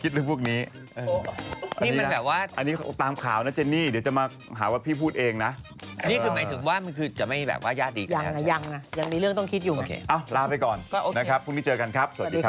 สวัสดีค่ะ